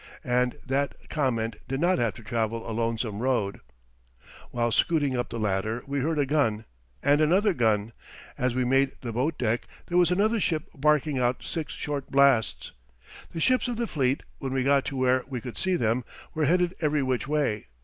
And that comment did not have to travel a lonesome road. While scooting up the ladder we heard a gun; and another gun. As we made the boat deck there was another ship barking out six short blasts. The ships of the fleet, when we got to where we could see them, were headed every which way.